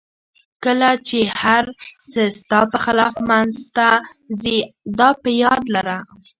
کله چې هر څه ستا په خلاف مخته ځي دا په یاد لره.